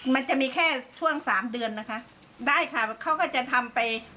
มันจะมีแค่ช่วงสามเดือนนะคะได้ค่ะเขาก็จะทำไป